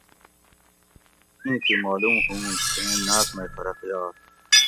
ایں تھی مالوم ھو اُوں چھیں ناۤت مئ فرق یات